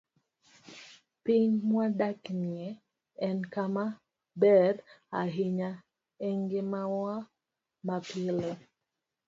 Piny mwadakieni en kama ber ahinya e ngimawa mapile.